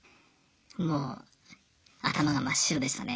もう頭が真っ白でしたね。